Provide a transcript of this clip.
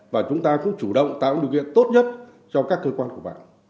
và chúng ta cũng chủ động tạo điều kiện tốt nhất cho các cơ quan của bạn